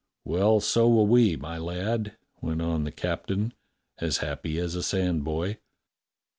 "Well, so will we, my lad," went on the captain, as happy as a sand boy.